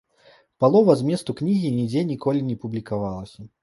Палова зместу кнігі нідзе ніколі не публікавалася.